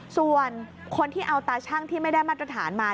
ส่วนคนที่เอาตาชั่งที่ไม่ได้มาตรฐานมา